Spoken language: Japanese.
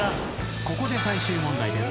ここで最終問題です。